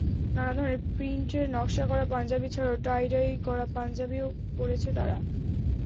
নানা ধরনের প্রিন্টের নকশা করা পাঞ্জাবি ছাড়াও টাইডাই করা পাঞ্জাবিও করেছে তারা।